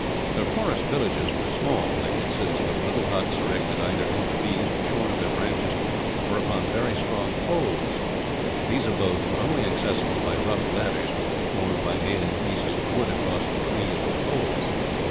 Their forest villages were small. They consisted of little huts, erected either in trees shorn of their branches, or upon very strong poles. These abodes were only accessible by rough ladders, formed by nailing pieces of wood across the trees or poles.